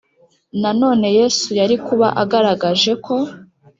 Nanone Yesu yari kuba agaragaje ko